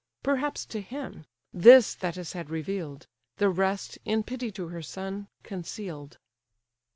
Perhaps to him: this Thetis had reveal'd; The rest, in pity to her son, conceal'd.